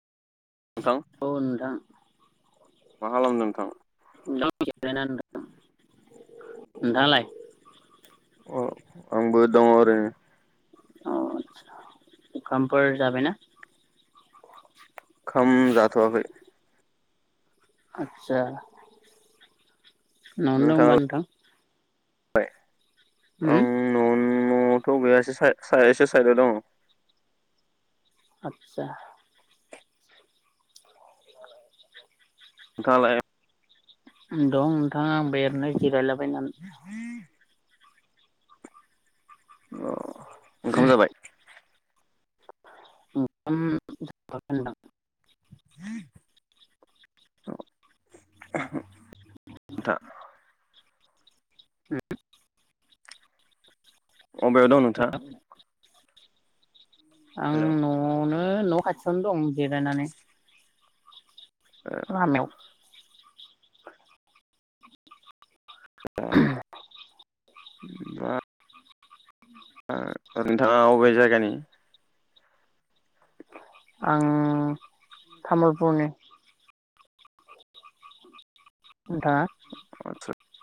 नोंथां औ नोंथां। मा खालामदों नोंथां? [unintelligible] नोंथां नोंथाङालाय? अ आंबो दङ' ओरैनो। अ अखामफोर जाबाय ना? खाम जाथ'वाखै। आटचा। न'आवनो दंबा नोंथाङालाय? नोंथां? आं हुम? न' न'आवथ' गैया एसे सा एसे साइदआव दं। आटचा। नोंथाङालाय दङ। दङ आंबो ओरनो जिरायलाबायनानै औ ओंखाम जाबाय? उम [unintelligible] [unintelligible] आथा [unintelligible] अबेयाव दं नोंथां? [unintelligible] आं न'आवनो ओ न' खाथियावनो दं जिरायनानै। रामायाव [inaudible] [unintelligible] नोंथाङा अबे जायगानि? [unintelligible] आं तामुलपुरनि नोंथाङा?